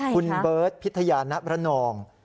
คุณเบิร์ตพิทยาณบรนอง